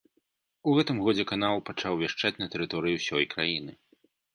У гэтым годзе канал пачаў вяшчаць на тэрыторыі ўсёй краіны.